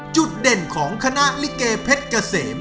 จุดเด่นของคณะลิเกเพชรเกษม